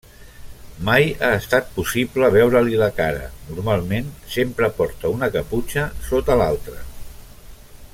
Mai ha estat possible veure-li la cara, normalment sempre porta una caputxa sota l'altra.